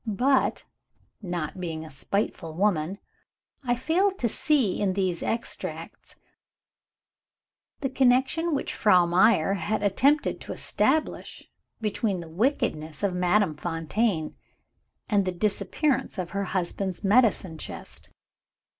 But (not being a spiteful woman) I failed to see, in these extracts, the connection which Frau Meyer had attempted to establish between the wickedness of Madame Fontaine and the disappearance of her husband's medicine chest.